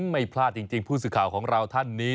ไม่พลาดจริงผู้สื่อข่าวของเราท่านนี้